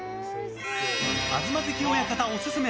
東関親方オススメ！